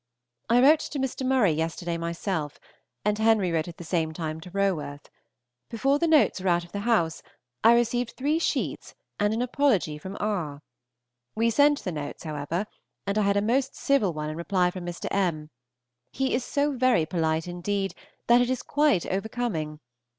I wrote to Mr. Murray yesterday myself, and Henry wrote at the same time to Roworth. Before the notes were out of the house, I received three sheets and an apology from R. We sent the notes, however, and I had a most civil one in reply from Mr. M. He is so very polite, indeed, that it is quite overcoming.